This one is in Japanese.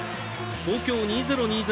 東京２０２０